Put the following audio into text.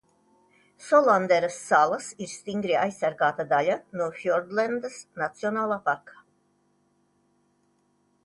Solandera salas ir stingri aizsargāta daļa no Fjordlendas nacionālā parka.